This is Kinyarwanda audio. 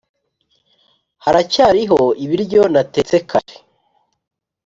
haracyariho ibiryo natetse kare?